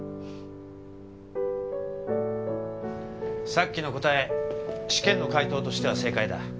さっきの答え試験の解答としては正解だ。